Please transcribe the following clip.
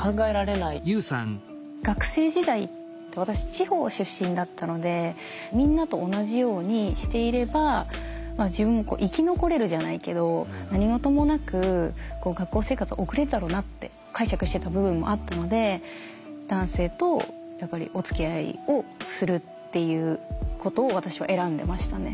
学生時代私地方出身だったのでみんなと同じようにしていればまあ自分もこう生き残れるじゃないけど何事もなく学校生活を送れるだろうなって解釈してた部分もあったので男性とやっぱりおつきあいをするっていうことを私は選んでましたね。